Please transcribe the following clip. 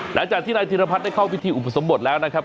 หลังจากที่นายธิรพัฒน์ได้เข้าพิธีอุปสมบทแล้วนะครับ